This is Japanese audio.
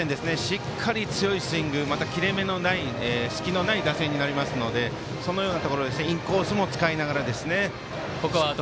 しっかり強いスイング切れ目のない隙のない打線になりますのでそのようなところでインコースを使いながらですね。